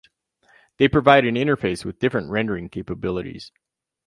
They provide an interface with different rendering capabilities.